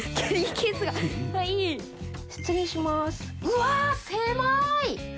うわっ狭い！